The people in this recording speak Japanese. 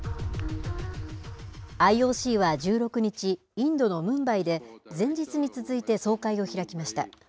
ＩＯＣは１６日、インドのムンバイで、前日に続いて総会を開きました。